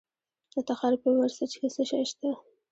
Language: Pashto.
د تخار په ورسج کې څه شی شته؟